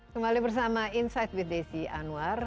kembali bersama insight with desi anwar